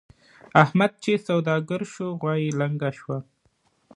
احمد چې سوداګر شو؛ غوا يې لنګه شوه.